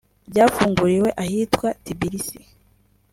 ryafunguriwe ahitwa Tbilisi